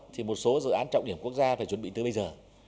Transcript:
thì một số dự án trọng điểm quốc gia phải chuẩn bị tới bây giờ